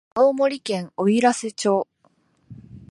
青森県おいらせ町